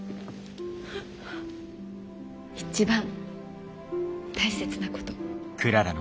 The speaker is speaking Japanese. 一番大切なこと。